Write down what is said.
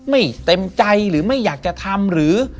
เต็มใจหรือไม่อยากจะทำหรือ